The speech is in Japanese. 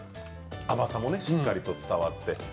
甘さもしっかり伝わって。